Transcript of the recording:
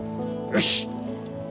よし！